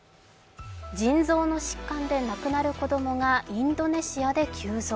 腎臓の疾患で亡くなる子供がインドネシアで急増。